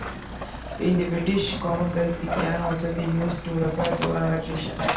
In the British Commonwealth, it can also be used to refer to an electrician.